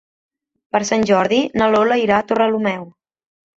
Per Sant Jordi na Lola irà a Torrelameu.